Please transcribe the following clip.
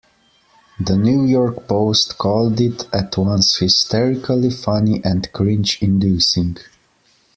"The New York Post" called it "at once hysterically funny and cringe inducing.